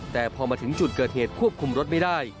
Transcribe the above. แต่พอมาถึงจุดเกิดเหตุควบคุมรถไม่ได้